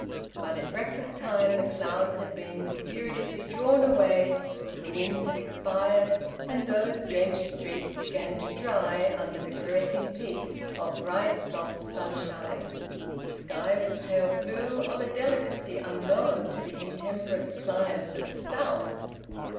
But at breakfast time the clouds had been mysteriously drawn away, the winds had expired, and those drenched streets began to dry under the caressing peace of bright soft sunshine; the sky was pale blue of a delicacy unknown to the intemperate climes of the south.